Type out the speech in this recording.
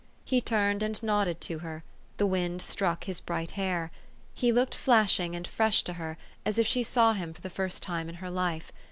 He turned, and nodded to her : the wind struck his bright hair. He looked flashing and fresh to her, as if she saw him for the first time in her life.